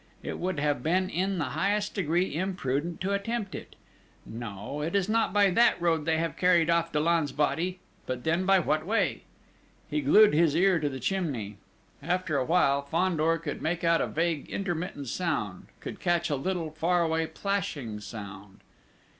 It would have been in the highest degree imprudent to attempt it! No, it is not by that road they have carried off Dollon's body! But then by what way?" He glued his ear to the chimney. After a while, Fandor could make out a vague, intermittent sound could catch a little, far away, plashing sound.